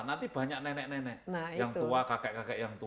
nanti banyak nenek nenek yang tua kakek kakek yang tua